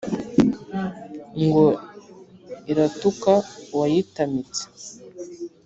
ngo iratuka uwayitamitse